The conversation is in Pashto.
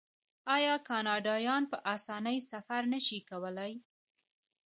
آیا کاناډایان په اسانۍ سفر نشي کولی؟